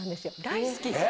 大好き？